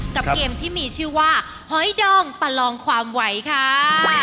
กับเกมที่มีชื่อว่าหอยดองประลองความไหวค่ะ